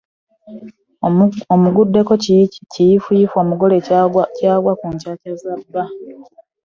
Omuguddeko kiyiifuyiifu omugole ky'agwa ku nkyakya za bba.